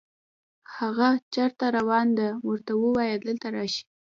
هاغه چېرته روان ده، ورته ووایه دلته راشي